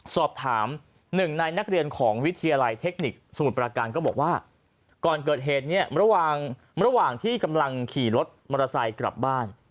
สอบถามหนึ่งในนักเรียนของวิทยาลัยเทคนิคสมุทรประการก็บอกว่าก่อนเกิดเหตุเนี่ยระหว่างที่กำลังขี่รถมอเตอร์ไซค์กลับบ้าน